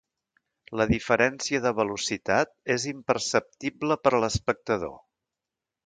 La diferència de velocitat és imperceptible per a l'espectador.